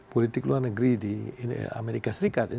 politik luar negeri di amerika serikat ya